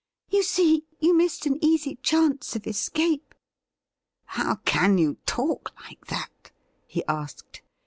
You see, you missed an easy chance of escape.' ' How can you talk like that .?' he asked.